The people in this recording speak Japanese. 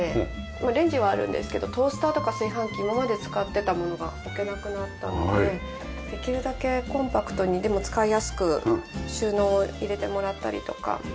レンジはあるんですけどトースターとか炊飯器今まで使ってたものが置けなくなったのでできるだけコンパクトにでも使いやすく収納入れてもらったりとか。